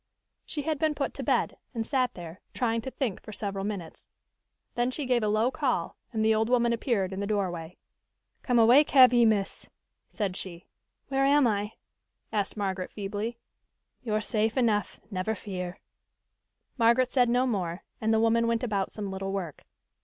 She had been put to bed, and sat there, trying to think for several minutes. Then she gave a low call, and the old woman appeared in the doorway. "Come awake, have ye, miss?" said she. "Where am I?" asked Margaret feebly. "You're safe enough, never fear." Margaret said no more and the woman went about some little work.